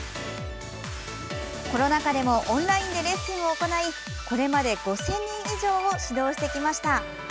コロナ禍でもオンラインでレッスンを行いこれまで５０００人以上を指導してきました。